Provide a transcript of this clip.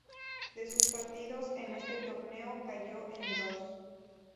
De sus partidos en este torneo, cayó en dos.